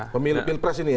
pemilu pilpres ini ya